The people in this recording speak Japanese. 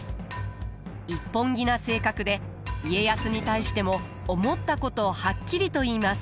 一本気な性格で家康に対しても思ったことをはっきりと言います。